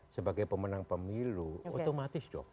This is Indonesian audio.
sebagai pemenang pemilu otomatis dong